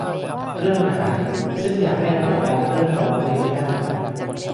เรื่องหาย ซึ่งอยากให้ระบบรับเรื่องร้องเรียนง่าย